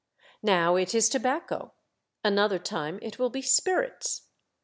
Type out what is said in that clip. Now it is tobacco ; another time it will be spirits.